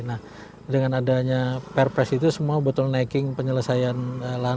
nah dengan adanya purpose itu semua bottlenecking penyelesaian perubahan